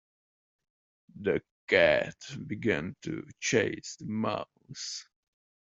The cat began to chase the mouse.